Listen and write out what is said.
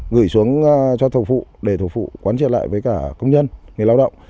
gửi xuống cho thầu phụ để thầu phụ quán triệt lại với công nhân người lao động